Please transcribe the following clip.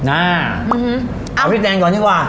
อ่าเอาที่แทนก่อนดีกว่า